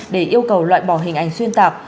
để yêu cầu loại bỏ hình ảnh xuyên tạp